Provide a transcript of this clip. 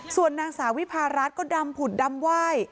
ส่วนนางสาววิพารัฐก็ดำผุดดำไหว้